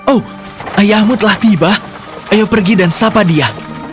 oh ayahmu telah tiba ayo pergi dan sapa dia